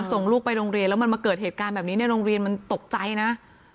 ส่งลูกไปโรงเรียนแล้วมันมาเกิดเหตุการณ์แบบนี้ในโรงเรียนมันตกใจนะ